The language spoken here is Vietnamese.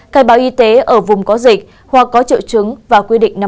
cài báo y tế ở vùng có dịch hoặc có triệu chứng và quy định năm k